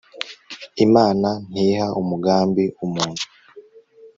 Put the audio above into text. imana ntiha umugambi umuntu